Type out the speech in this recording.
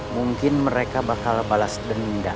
mungkin mereka bakal balas denda